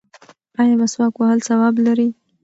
ایا مسواک وهل ثواب لري؟